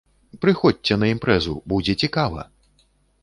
Прыходзьце на імпрэзу, будзе цікава!